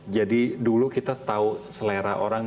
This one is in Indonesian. jadi dulu kita tahu selera orang